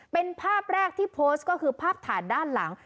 เป็นภาพแรกที่โพสต์ก็คือภาพฐานด้านหลัง